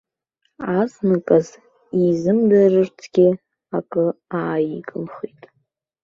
Азныказ изымдырырцгьы акы ааигымхеит.